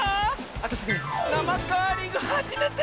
あたしねなまカーリングはじめて！